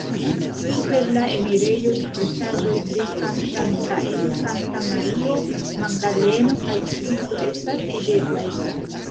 Super la enirejo skulptaĵoj pri Sankta Mikaelo, Sankta Mario Magdaleno kaj Kristo estas videblaj.